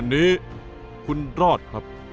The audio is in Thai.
อันนี้คุณรอดครับ